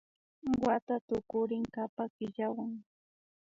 Wata tukurin kapak killawan